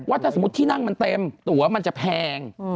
ว่าแต่สมมติที่นั่งมันเต็มสมมติออกว่ามันจะแพง